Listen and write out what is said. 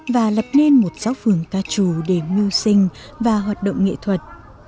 và lập nên một giáo phường ca trù để mưu sinh và hoạt động nghệ thuật